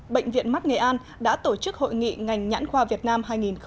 bệnh viện mắt nghệ an đã tổ chức hội nghị ngành nhãn khoa việt nam hai nghìn một mươi chín